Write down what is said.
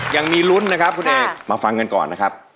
ยังมีลุ้นนะครับคุณเอกมาฟังกันก่อนนะครับ